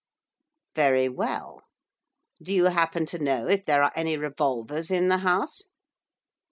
'Very well. Do you happen to know if there are any revolvers in the house?